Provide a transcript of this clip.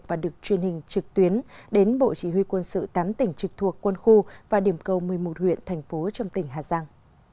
và được truyền hình trực tuyến đến bộ chỉ huy quân sự tám tỉnh trực thuộc quân khu và điểm cầu một mươi một huyện thành phố trong tỉnh hà giang